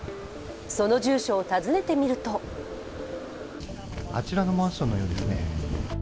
その住所を尋ねてみるとあちらのマンションのようですね。